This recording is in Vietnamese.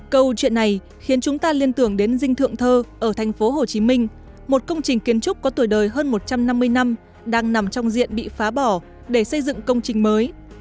câu chuyện này khiến chúng ta liên tưởng đến dinh thượng thơ ở thành phố hồ chí minh một công trình kiến trúc có tuổi đời hơn một trăm năm mươi năm đang nằm trong diện bị phá bỏ để xây dựng công trình mới